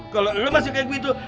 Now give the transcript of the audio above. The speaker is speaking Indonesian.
kalau lo masih kayak gitu